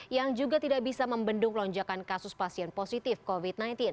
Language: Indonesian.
yang juga tidak bisa membendung lonjakan kasus pasien positif covid sembilan belas